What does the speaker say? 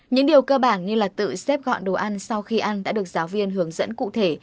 những điều cơ bản như là tự xếp gọn đồ ăn sau khi ăn đã được giáo viên hướng dẫn cụ thể